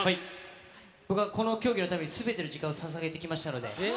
僕はこの競技のために、すべての時間をささげてきましたので。